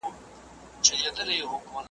د فتوا ترلاسه کول ولي مهم وو؟